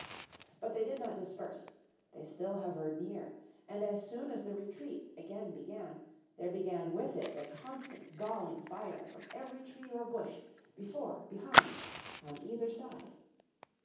But they did not disperse; they still hovered near, and as soon as the retreat again began, there began with it the constant galling fire from every tree or bush, before, behind, on either side.